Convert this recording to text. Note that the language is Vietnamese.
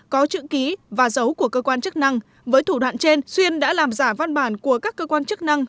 có chữ ký và dấu của cơ quan chức năng với thủ đoạn trên xuyên đã làm giả văn bản của các cơ quan chức năng